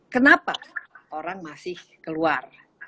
kenapa orang masih keluar